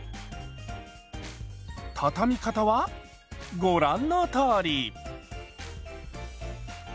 たたみ方はご覧のとおり。